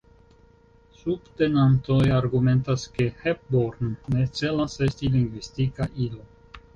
Subtenantoj argumentas ke Hepburn ne celas esti lingvistika ilo.